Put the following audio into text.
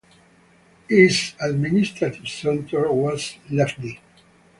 Its administrative centre was Lubny.